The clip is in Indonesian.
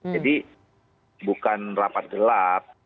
jadi bukan rapat gelap